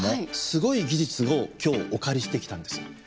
すごい技術を今日お借りしてきたんです。